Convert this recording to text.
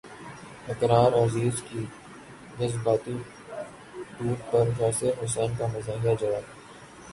اقرا عزیز کے جذباتی نوٹ پر یاسر حسین کا مزاحیہ جواب